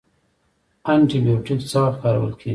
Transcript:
انټي بیوټیک څه وخت کارول کیږي؟